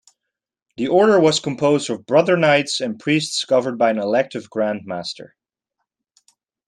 The order was composed of brother-knights and priests governed by an elective grand-master.